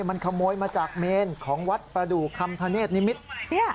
มันขโมยมาจากเมนของวัดประดูกคำธเนธนิมิตร